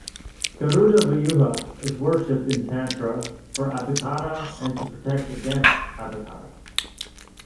Garuda Vyuha is worshiped in Tantra for Abhichara and to protect against Abhichara.